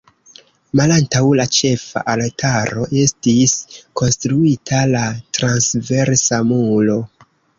Malantaŭ la ĉefa altaro estis konstruita la transversa muro.